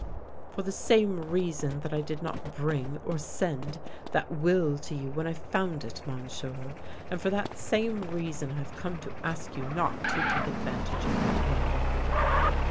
" For the same reason that I did not bring or send that will to you w'hen I found it, Monsieur. And for that same reason I have come to ask you not to take advantage of that will."